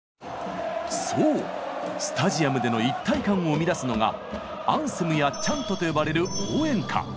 そうスタジアムでの一体感を生み出すのが「アンセム」や「チャント」と呼ばれる応援歌。